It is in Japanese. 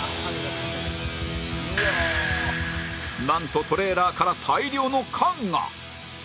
なんとトレーラーから大量の缶が